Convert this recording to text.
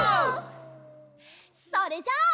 それじゃあ。